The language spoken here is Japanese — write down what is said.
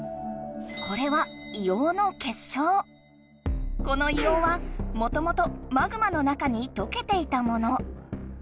これはこの硫黄はもともとマグマの中にとけていたもの。